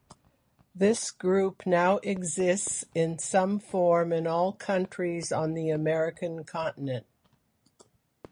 This group now exists in some form in all countries on the American continent.